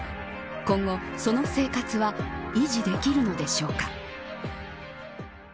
今後、その生活は維持できるのでしょうか。